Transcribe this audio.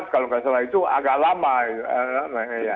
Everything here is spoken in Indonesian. dua ribu empat kalau nggak salah itu agak lama